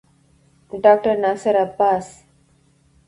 ډاکټر ناصر عباس